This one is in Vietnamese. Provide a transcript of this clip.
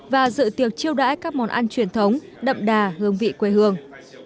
và dự tiệc chiêu đãi các món ăn truyền thống đậm đà hương vị quê hương